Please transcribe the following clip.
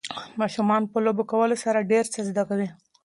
ماشومان په لوبې کولو سره ډېر څه زده کوي.